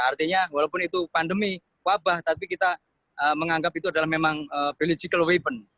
artinya walaupun itu pandemi wabah tapi kita menganggap itu adalah memang biological weapon